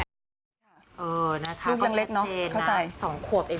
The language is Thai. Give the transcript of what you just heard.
เพราะว่าเขาเป็นไฮโซรวยพันล้าน